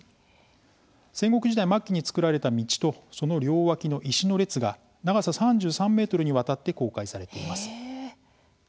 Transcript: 戦国時代末期に造られた道とその両脇の石の列が長さ３３ｍにわたって公開されています。